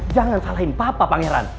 jangan salahin papa pangeran